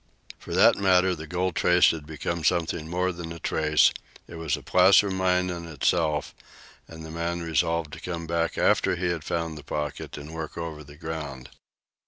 For that matter, the gold trace had become something more than a trace; it was a placer mine in itself, and the man resolved to come back after he had found the pocket and work over the ground.